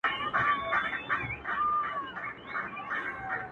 o د دې لپاره چي ډېوه به یې راځي کلي ته.